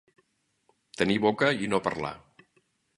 Tenir boca i no parlar.